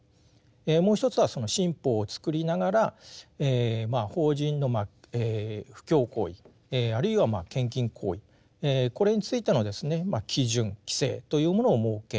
もう一つはその新法を作りながら法人の布教行為あるいは献金行為これについてのですね基準・規制というものを設け